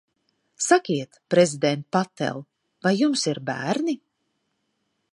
Sakiet, prezident Patel, vai jums ir bērni?